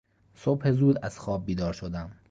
صبح زود از خواب بیدار شدم.